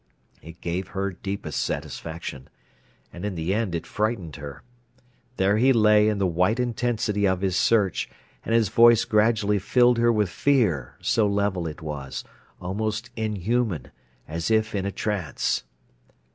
It gave her deepest satisfaction. And in the end it frightened her. There he lay in the white intensity of his search, and his voice gradually filled her with fear, so level it was, almost inhuman, as if in a trance.